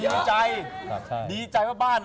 ดีใจครับใช่ดีใจว่าบ้าน